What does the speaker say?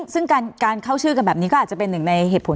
ซึ่งการเข้าชื่อกันแบบนี้ก็อาจจะเป็นหนึ่งในเหตุผล